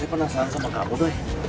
saya penasaran sama kamu doy